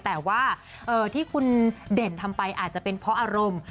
แต่ว่าที่คุณเด่นทำไปอาจจะเป็นเพราะอารมณ์